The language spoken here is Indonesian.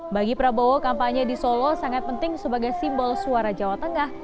bagi prabowo kampanye di solo sangat penting sebagai simbol suara jawa tengah